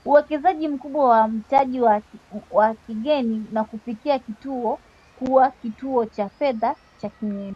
uwekezaji mkubwa wa mtaji wa kigeni na kufikia kuwa kituo cha fedha cha kieneo